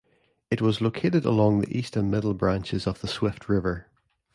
It was located along the East and Middle branches of the Swift River.